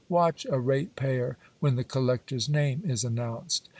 Watch a ratepayer when the collector's name is announced.